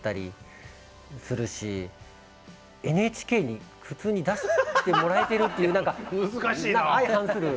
ＮＨＫに普通に出してもらえてるっていう何か相反する。